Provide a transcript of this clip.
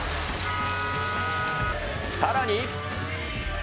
さらに。